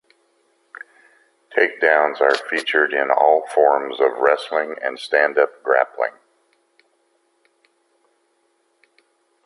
Takedowns are featured in all forms of wrestling and stand-up grappling.